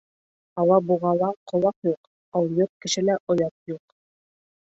Алабуғала ҡолаҡ юҡ, алйот кешелә оят юҡ.